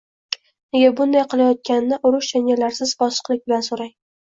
Nega bunday qilayotganini urish-janjallarsiz bosiqlik bilan so`rang